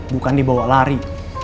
bukan dibawa lari